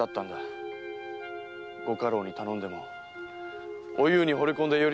ご家老に頼んでもおゆうに惚れ込んだ頼